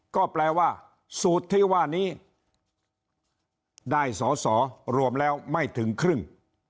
ก็แปลว่าสูตรที่ว่านี้ได้สอสอรวมแล้วไม่ถึงครึ่ง